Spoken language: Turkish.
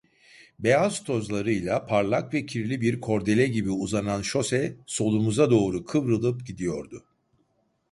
Beyaz tozlarıyla parlak ve kirli bir kordele gibi uzanan şose solumuza doğru kıvrılıp gidiyordu.